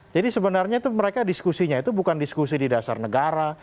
jadi sebenarnya itu mereka diskusinya itu bukan diskusi di dasar negara